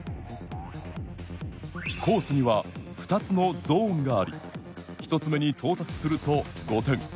コースには２つのゾーンがあり１つ目に到達すると５点。